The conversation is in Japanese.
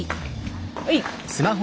はい。